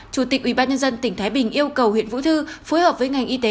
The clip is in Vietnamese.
chủ tịch ủy ban nhân dân tỉnh thái bình yêu cầu huyện vũ thư phối hợp với ngành y tế